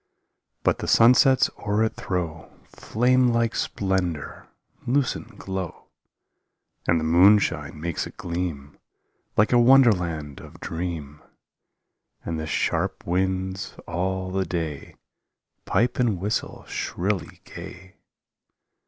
But the sunsets o'er it throw Flame like splendor, lucent glow, And the moonshine makes it gleam Like a wonderland of dream, And the sharp winds all the day Pipe and whistle shrilly gay.